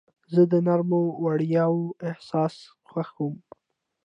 زه د نرمو وړیو احساس خوښوم.